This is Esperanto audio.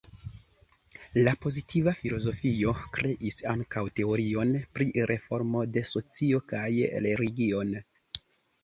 La pozitiva filozofio kreis ankaŭ teorion pri reformo de socio kaj religion.